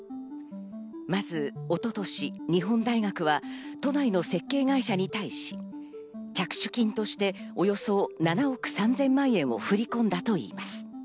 まず一昨年、日本大学は都内の設計会社に対し、着手金としておよそ７億３０００万円を振り込んだといいます。